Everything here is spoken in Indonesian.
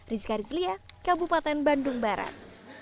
rizka rizlia kabupaten bandung barat